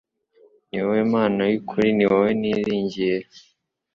ni wowe mana y ukuri niwowe niringiye